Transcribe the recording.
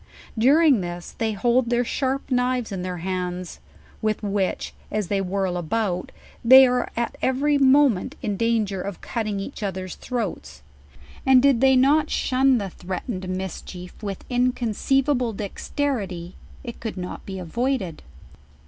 During this they hold their, him; ;) kiiivns iu their ham's, with which, as they whirl about, they are every moment in danger of cult ing each oth ers throats; aud Oiu tiiey not shun the threatened mischief 62 JOURNAL OF with inconceivable dexterity, it could not be avoided.